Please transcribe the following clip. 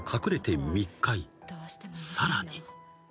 ［さらに］